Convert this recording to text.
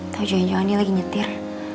tau jangan jangan dia lagi nyetir